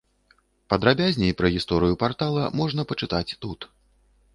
Падрабязней пра гісторыю партала можна пачытаць тут.